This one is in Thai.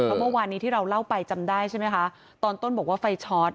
เพราะเมื่อวานนี้ที่เราเล่าไปจำได้ใช่ไหมคะตอนต้นบอกว่าไฟช็อต